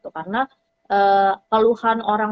karena keluhan orang